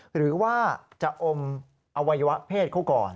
หรือว่าจะอมอวัยวะเพศเขาก่อน